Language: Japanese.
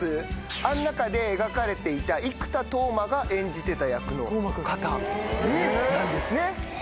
あの中で描かれていた生田斗真が演じてた役の方なんですね。